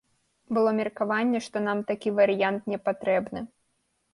Было меркаванне, што нам такі варыянт не патрэбны.